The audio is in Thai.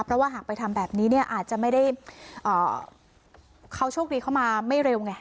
เพราะว่าหากไปทำแบบนี้เนี่ยอาจจะไม่ได้เขาโชคดีเข้ามาไม่เร็วไง